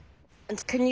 確かに。